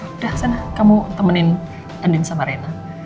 udah sana kamu temenin ending sama rena